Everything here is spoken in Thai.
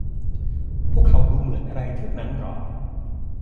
พวกเขาดูเหมือนอะไรเทือกนั้นหรอ ?